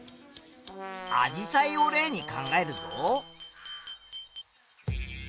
アジサイを例に考えるぞ。